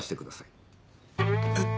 えっ！？